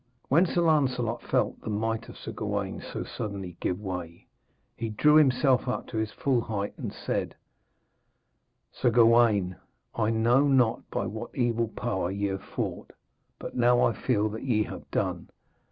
When Sir Lancelot felt the might of Sir Gawaine so suddenly give way, he drew himself up to his full height and said: 'Sir Gawaine, I know not by what evil power ye have fought, but now I feel that ye have done.